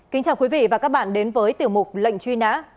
kính chào quý vị và các bạn đến với tiểu mục lệnh truy nã